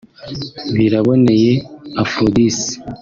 Biraboneye Aphrodice